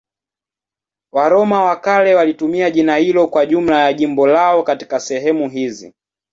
Waroma wa kale walitumia jina hilo kwa jumla ya jimbo lao katika sehemu hizi.